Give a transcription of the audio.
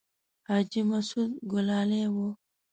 حاجي مسعود ګلالی و.